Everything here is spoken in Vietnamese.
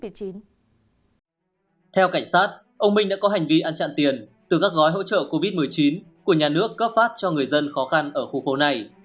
theo cảnh sát ông minh đã có hành vi ăn chặn tiền từ các gói hỗ trợ covid một mươi chín của nhà nước cấp phát cho người dân khó khăn ở khu phố này